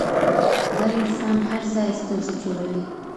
بد انسان هر ځای ستونزي جوړوي